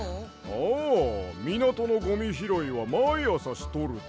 ああみなとのゴミひろいはまいあさしとるで。